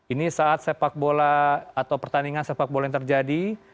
ini saat sepak bola atau pertandingan sepak bola yang terjadi